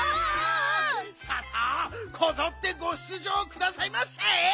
さあさあこぞってご出じょうくださいませ！